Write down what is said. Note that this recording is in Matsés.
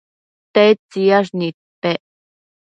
tedtsiyash nidpec